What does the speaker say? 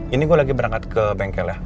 ini gue lagi berangkat ke bengkel ya